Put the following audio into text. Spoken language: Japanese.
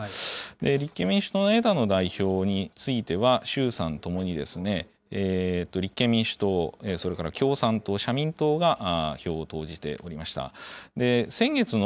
立憲民主党の枝野代表については、衆参ともに立憲民主党、それから共産党、社民党が票を投じておりました。